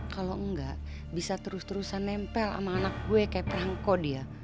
kalau enggak bisa terus terusan nempel sama anak gue kayak perangko dia